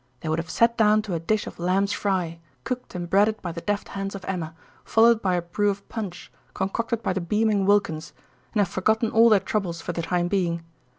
They would have sat down to a dish of lamb's fry, cooked and breaded by the deft hands of Emma, followed by a brew of punch, concocted by the beaming Wilkins, and have forgotten all their troubles, for the time being.